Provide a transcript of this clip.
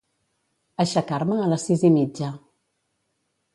Aixecar-me a les sis i mitja.